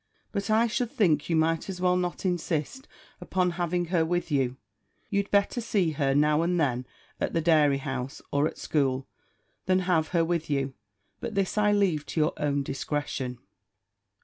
But I should think you might as well not insist upon having her with you; you'd better see her now and then at the dairy house, or at school, than have her with you. But this I leave to your own discretion.